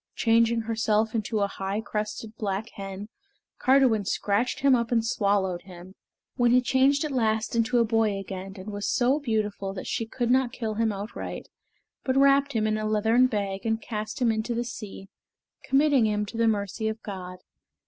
Changing herself into a high crested black hen, Cardiwen scratched him up and swallowed him, when he changed at last into a boy again and was so beautiful that she could not kill him outright, but wrapped him in a leathern bag and cast him into the sea, committing him to the mercy of God.